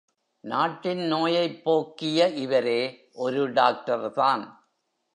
நாட்டின் நோயைப் போக்கிய இவரே ஒரு டாக்டர்தான்.